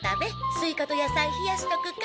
スイカと野菜冷やしとくか。